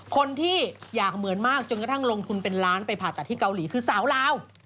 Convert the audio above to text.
คนที่อยากเหมือนมากจนกระทั่งลงทุนเป็นล้านไปผ่าตัดที่เกาหลีคือสาวลาว